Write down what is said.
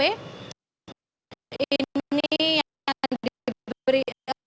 ini yang diberi